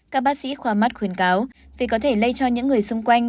các bác sĩ khoa mắt khuyến cáo vì có thể lây cho những người xung quanh